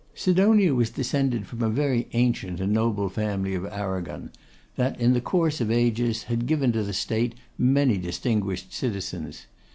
Sidonia was descended from a very ancient and noble family of Arragon, that, in the course of ages, had given to the state many distinguished citizens.